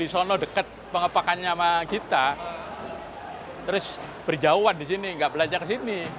di sana deket pengepakannya sama kita terus berjauhan di sini nggak belanja ke sini